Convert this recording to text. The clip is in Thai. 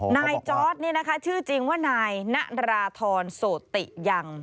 นายจอร์ดนี่นะคะชื่อจริงว่านายณราธรโสติยัง